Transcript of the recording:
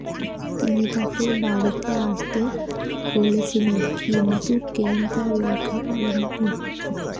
তিনি তাকে বাড়িতে আসতে বলেছিলেন কিন্তু কেন তা ব্যাখ্যা করেননি।